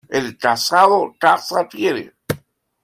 El casado casa quiere.